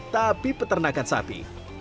tapi peternakan sapi